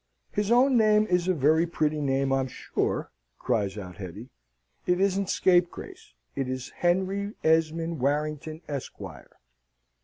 "His own name is a very pretty name, I'm sure," cries out Hetty. "It isn't Scapegrace! It is Henry Esmond Warrington, Esquire."